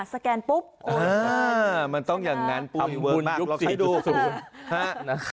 สแกนปุ๊บมันต้องอย่างนั้นทำบุญยุคสี่จุดศูนย์